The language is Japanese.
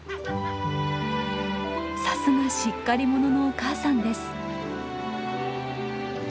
さすがしっかり者のお母さんです。